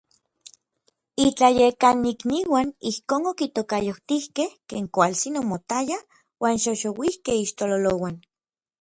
Itlayekanikniuan ijkon okitokayotikej ken kualtsin omotaya uan xoxouikej iixtololouan.